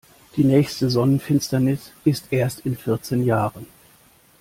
Die nächste Sonnenfinsternis ist erst in vierzehn Jahren.